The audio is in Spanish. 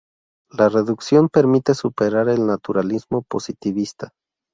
La reducción permite superar el naturalismo positivista.